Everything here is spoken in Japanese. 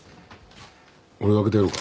俺が開けてやろうか？